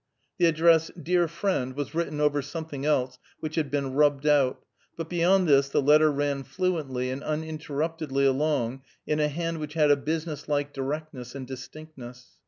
The address, "Dear friend," was written over something else which had been rubbed out, but beyond this the letter ran fluently and uninterruptedly along in a hand which had a business like directness and distinctness.